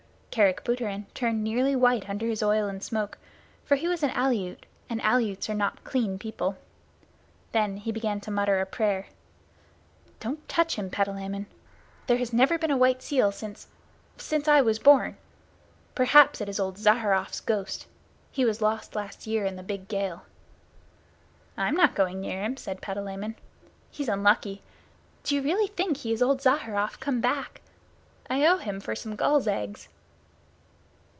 Kerick Booterin turned nearly white under his oil and smoke, for he was an Aleut, and Aleuts are not clean people. Then he began to mutter a prayer. "Don't touch him, Patalamon. There has never been a white seal since since I was born. Perhaps it is old Zaharrof's ghost. He was lost last year in the big gale." "I'm not going near him," said Patalamon. "He's unlucky. Do you really think he is old Zaharrof come back? I owe him for some gulls' eggs."